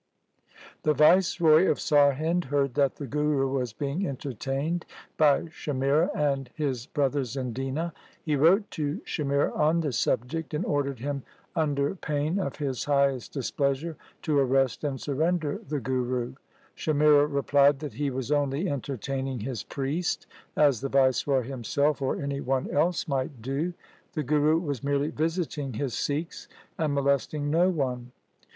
The Viceroy of Sarhind heard that the Guru was being entertained by Shamira and his brothers in Dina. He wrote to Shamira on the subject, and ordered him under pain of his highest displeasure to arrest and surrender the Guru. Shamira replied that he was only entertaining his priest, as the Viceroy himself or any one else might do. The Guru was merely visiting his Sikhs and molesting no one.